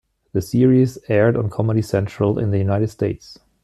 The series aired on Comedy Central in the United States.